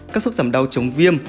các thuốc giảm đau chống viêm